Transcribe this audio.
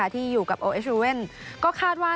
ที่อยู่กับโอเอสรูเว่นก็คาดว่า